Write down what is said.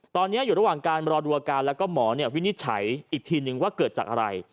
ตอนนี้อยู่ระหว่างการรอดูอาการแล้วก็หมอวินิจฉัยอีกทีนึงว่าเกิดจากอะไร